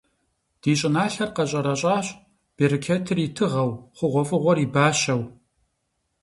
Ди щӀыналъэр къэщӀэрэщӀащ, берычэтыр и тыгъэу, хъугъуэфӀыгъуэр и бащэу.